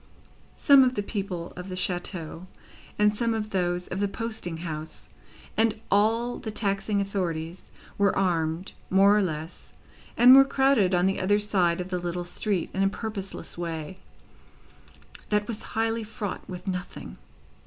Some of the people of the chateau, and some of those of the posting house, and all the taxing authorities, were armed more or less, and were crowded on the other side of the little street in a purposeless way, that was highly fraught with nothing.